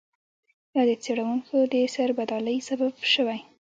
دا د څېړونکو د سربدالۍ سبب شوی.